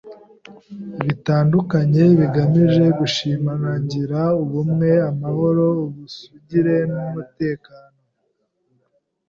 bitandukanye bigamije gushimangira ubumwe, amahoro, ubusugire n’Umutekano